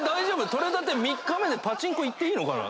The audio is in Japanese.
採れたて３日目でパチンコ行っていいのかな。